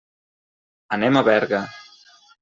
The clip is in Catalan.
Anem a Berga.